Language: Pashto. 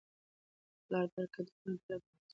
د پلار برکت د کورنی په هره برخه کي څرګند وي.